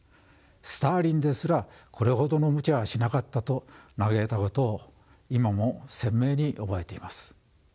スターリンですらこれほどのムチャはしなかったと嘆いたことを今も鮮明に覚えています。